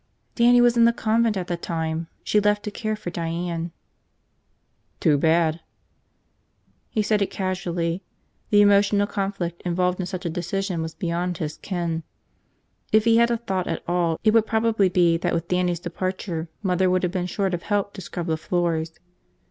"Dannie was in the convent at the time. She left to care for Diane." "Too bad." He said it casually. The emotional conflict involved in such a decision was beyond his ken. If he had a thought at all it would probably be that with Dannie's departure Mother would have been short of help to scrub the floors.